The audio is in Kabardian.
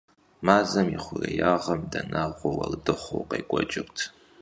Мазэм и хъуреягъым дэнагъуэ уэрдыхъу къекӀуэкӀырт.